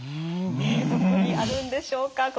どこにあるんでしょうか。